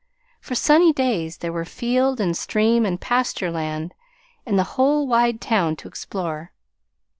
For sunny days there were field and stream and pasture land and the whole wide town to explore.